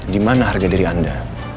dimana harga diri anda